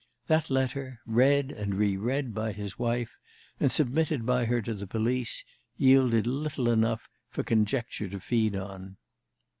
That letter, read and reread by his wife, and submitted by her to the police, yielded little enough for conjecture to feed on.